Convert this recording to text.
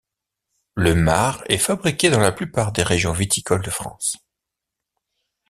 Le marc est fabriqué dans la plupart des régions viticoles de France.